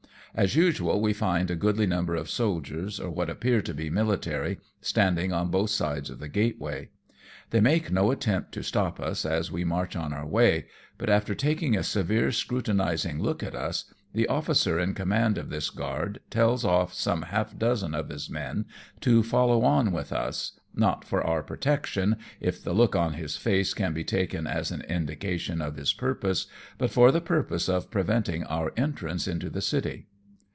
As usual we find a goodly number of soldiers, or what appear to be military, standing on both sides of the gateway. They make no attempt to stop us as we march on our way; but, after taking a severe, scru tinizing look at us, the officer in command of this guard tells off some half dozen of his men to follow on with us, not for our protection, if the look on his face can be taken as an indication of his purpose, but for the purpose of preventing our entrance into the city.